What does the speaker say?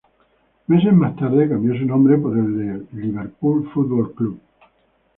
Meses más tarde, cambió su nombre por el de Liverpool Football Club.